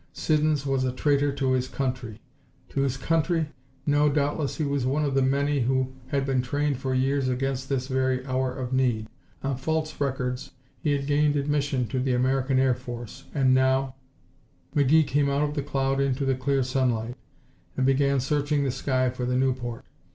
Siddons was a traitor to his country. To his country? No, doubtless he was one of the many who had been trained for years against this very hour of need. On false records he had gained admission to the American Air Force, and now McGee came out of the cloud into the clear sunlight, and began searching the sky for the Nieuport.